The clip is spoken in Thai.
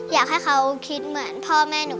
อยากให้เขาคิดเหมือนพ่อแม่หนู